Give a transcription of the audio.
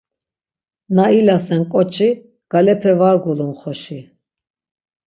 Na ilasen ǩoçi, galepe var gulun xoşi.